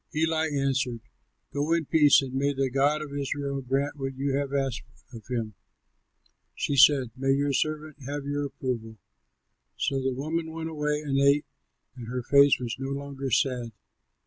Eli answered, "Go in peace, and may the God of Israel grant what you have asked of him." She said, "May your servant have your approval!" So the woman went away and ate, and her face was no longer sad.